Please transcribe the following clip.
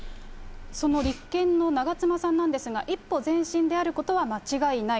その立憲の長妻さんなんですが、一歩前進であることは間違いない。